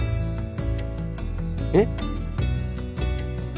えっ！？